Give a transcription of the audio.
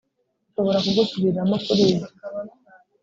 nshobora kugusubiramo kuri ibyo